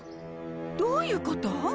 どういうこと？